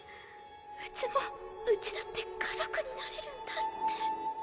うちもうちだって家族になれるんだって。